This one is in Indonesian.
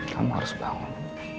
kamu harus bangun